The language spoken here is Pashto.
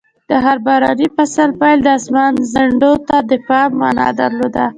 د هر باراني فصل پیل د اسمان ځنډو ته د پام مانا درلود.